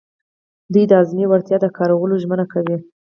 دوی د اعظمي وړتیا د کارولو ژمنه کوي.